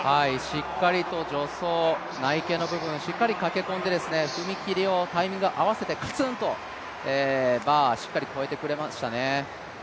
しっかりと助走、内傾の部分をしっかりかけ込んで、踏み切りをタイミング合わせてしっかりとバーをしっかり越えてくれましたね。